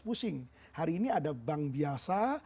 pusing hari ini ada bank biasa